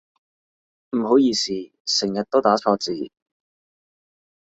唔好意思成日都打錯字